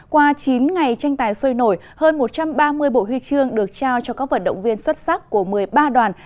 qua chín ngày tranh tài sôi nổi hơn một trăm ba mươi bộ huy chương được trao cho các vận động viên xuất sắc của một mươi ba đoàn